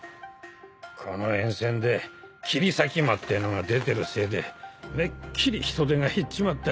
この沿線で切り裂き魔ってのが出てるせいでめっきり人出が減っちまったよ。